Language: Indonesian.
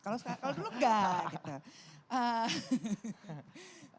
kalau dulu gak gitu